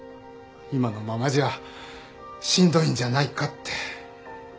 今のままじゃしんどいんじゃないかって。